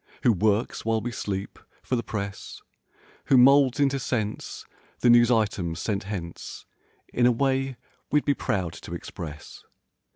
Who works while we sleep, for the press; Who moulds into sense, the news items sent hence In a way we'd be proud to express.